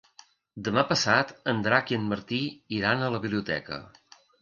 Demà passat en Drac i en Martí iran a la biblioteca.